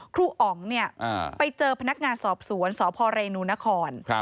ครูอ๋องไปเจอพนักงานสอบสวนสพเรนูนคร